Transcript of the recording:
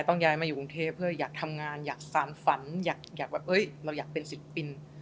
ต้องย้ายมาอยู่กรุงเทพฯเพื่ออยากทำงานอยากสารฝันอยากเป็นสิทธิ์ปิน